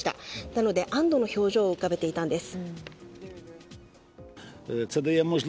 なので安堵の表情を浮かべていたのです。